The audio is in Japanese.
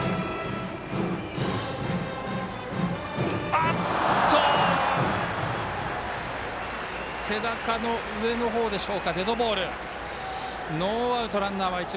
あっと背中の上の方でしょうかデッドボール。